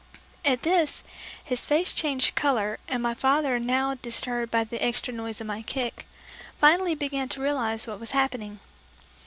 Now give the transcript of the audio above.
At this, his face changed color and my father now disturbed by the extra noise of my kick, finally began to realize what was happening.